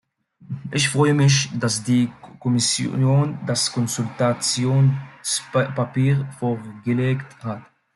Ich freue mich, dass die Kommission das Konsultationspapier vorgelegt hat.